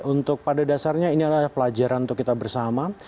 untuk pada dasarnya ini adalah pelajaran untuk kita bersama